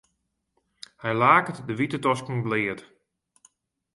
Hy laket de wite tosken bleat.